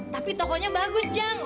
tapi tokonya bagus jang